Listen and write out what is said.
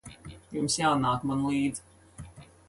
Jums jānāk man līdzi.